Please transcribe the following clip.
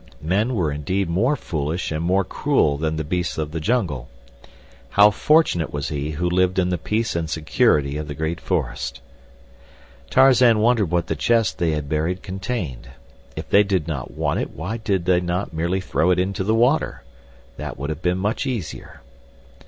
Men were indeed more foolish and more cruel than the beasts of the jungle! How fortunate was he who lived in the peace and security of the great forest! Tarzan wondered what the chest they had buried contained. If they did not want it why did they not merely throw it into the water? That would have been much easier.